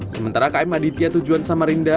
sementara km aditya tujuan samarinda